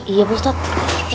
iya pak ustadz